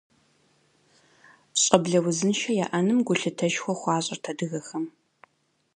Щӏэблэ узыншэ яӏэным гулъытэшхуэ хуащӏырт адыгэхэм.